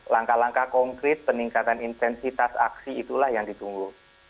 langkah langkah konkret peningkatan intensitas aksi itulah yang ditunggu